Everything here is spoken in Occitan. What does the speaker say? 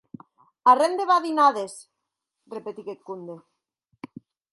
Arren de badinades!, repetic eth comde.